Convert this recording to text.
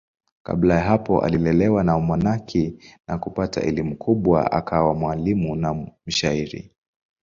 Kabla ya hapo alilelewa na wamonaki na kupata elimu kubwa akawa mwalimu na mshairi.